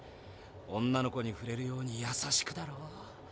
女の子にふれるようにやさしくだろ。